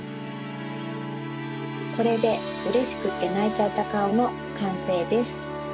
これでうれしくってないちゃったかおのかんせいです。